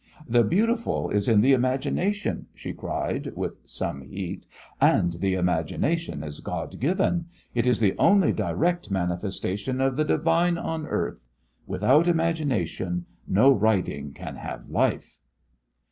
"The beautiful is in the imagination," she cried, with some heat; "and the imagination is God given; it is the only direct manifestation of the divine on earth. Without imagination no writing can have life."